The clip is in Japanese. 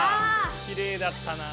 きれいだったなぁ。